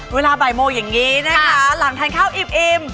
เวลาบ่ายโมงอย่างนี้นะคะหลังทานข้าวอิ่ม